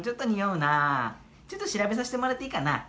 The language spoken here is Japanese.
ちょっと調べさせてもらっていいかな？